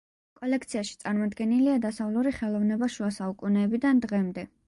კოლექციაში წარმოდგენილია დასავლური ხელოვნება შუა საუკუნეებიდან დღემდე.